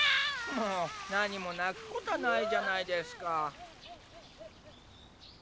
もう何も泣くことないじゃないですか。